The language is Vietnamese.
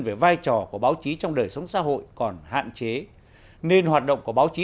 về vai trò của báo chí trong đời sống xã hội còn hạn chế nên hoạt động của báo chí